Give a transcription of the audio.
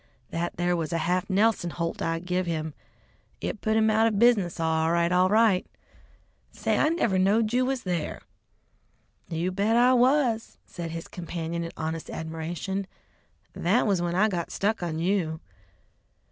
"That there was a half Nelson holt I give him. It put him out of business all right, all right. Say, I never knowed you was there!" "You bet I was," said his companion in honest admiration; "that was when I got stuck on you!"